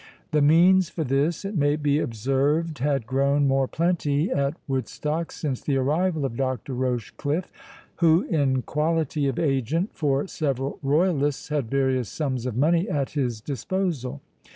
The means for this, it may be observed, had grown more plenty at Woodstock since the arrival of Dr. Rochecliffe, who, in quality of agent for several royalists, had various sums of money at his disposal.